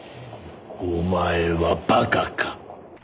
お前は馬鹿か？